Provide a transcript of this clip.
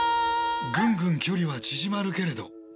ぐんぐん距離は縮まるけれど。